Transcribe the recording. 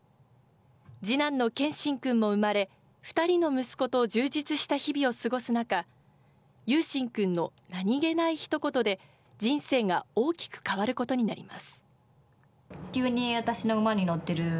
次男の健心君も産まれ、２人の息子と充実した日々を過ごす中、優心君の何気ないひと言で、人生が大きく変わることになります。